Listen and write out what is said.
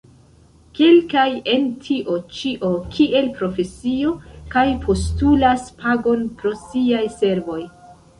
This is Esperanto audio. Kelkaj en tio ĉio kiel profesio kaj postulas pagon pro siaj servoj.